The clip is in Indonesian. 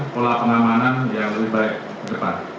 pola pengamanan yang lebih baik ke depan